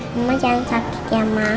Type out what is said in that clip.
mama jangan sakit ya ma